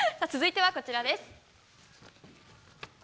続いては、こちらです。